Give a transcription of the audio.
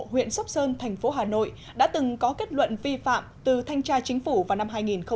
huyện sóc sơn thành phố hà nội đã từng có kết luận vi phạm từ thanh tra chính phủ vào năm hai nghìn một mươi